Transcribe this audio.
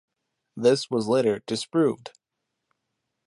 This was later disproved.